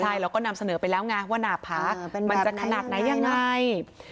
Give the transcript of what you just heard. ใช่เราก็นำเสนอไปแล้วไงว่าหน้าผากมันจะขนาดไหนยังไง